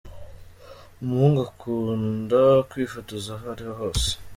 Umuhungu ukunda kwifotoza aho ari hose.